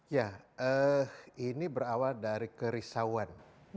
ya ini berawal dari kerisauan